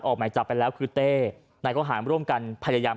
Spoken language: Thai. ก็ได้พลังเท่าไหร่ครับ